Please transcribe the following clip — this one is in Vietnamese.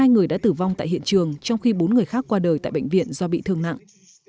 hai người đã tử vong tại hiện trường trong khi bốn người khác qua đời tại bệnh viện do bị thương nặng